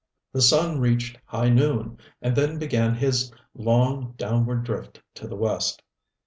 The sun reached high noon and then began his long, downward drift to the West.